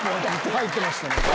入ってましたね。